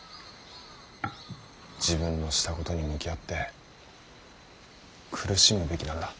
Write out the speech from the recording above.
自分のしたことに向き合って苦しむべきなんだ。